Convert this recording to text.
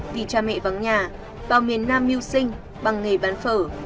vì cha mẹ vắng nhà vào miền nam mưu sinh bằng nghề bán phở